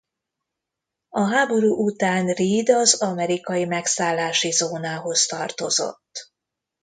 A háború után Ried az amerikai megszállási zónához tartozott.